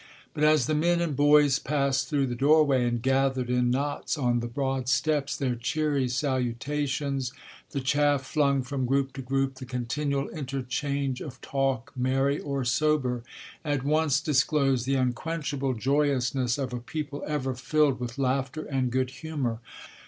But as the men and boys passed through the doorway and gathered in knots on the broad steps, their cheery salutations, the chaff flung from group to group, the continual interchange of talk, merry or sober, at once disclosed the unquenchable joyousness of a people ever filled with laughter and good humour.